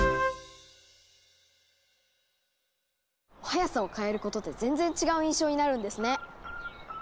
速さを変えることで全然違う印象になるんですね。